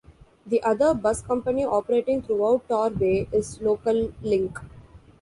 The other bus company operating throughout Torbay is Local Link.